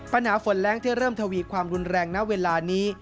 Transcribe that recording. ปัญหาฝนแรงที่เริ่มทวีความรุนแรงณเวลานี้